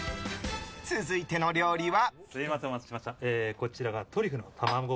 続いての料理は。